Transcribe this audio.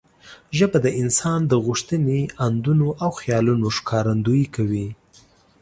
ژبه د انسان د غوښتنې، اندونه او خیالونو ښکارندويي کوي.